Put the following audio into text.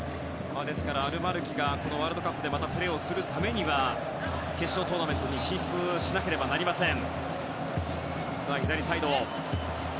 ですから、アルマルキがこのワールドカップでまたプレーするためには決勝トーナメントに進出しなければなりません。